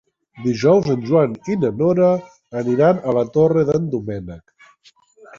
Dijous en Joan i na Nora aniran a la Torre d'en Doménec.